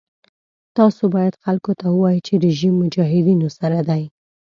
تاسو باید خلکو ته ووایئ چې رژیم مجاهدینو سره دی.